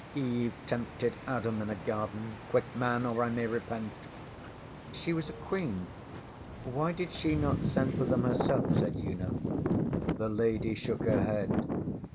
Eve tempted Adam in a garden. Quick, man, or I may repent! ŌĆØŌĆÖ ŌĆśShe was a Queen. Why did she not send for them herself? ŌĆÖ said Una. The lady shook her head.